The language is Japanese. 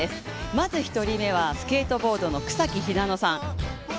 まず一人目はスケートボードの草木ひなのさん。